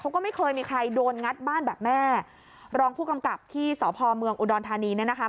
เขาก็ไม่เคยมีใครโดนงัดบ้านแบบแม่รองผู้กำกับที่สพเมืองอุดรธานีเนี่ยนะคะ